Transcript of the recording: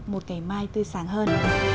một ngày mai tươi sáng hơn